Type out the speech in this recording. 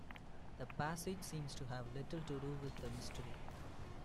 The passage seems to have little to do with the mystery.